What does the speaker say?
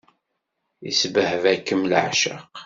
Isbehba-kem leεceq.